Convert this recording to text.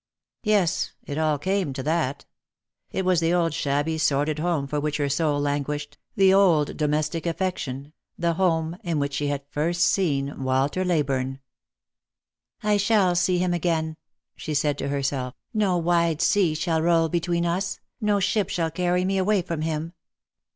Yes, it all came to that. It was the old shabby sordid home for which her soul languished, the old domestic affection, the home in which she had first seen Walter Leyburne. "I shall see him again," she said to herself: "no wide sea shall roll between us, no ship shall carry me away from him.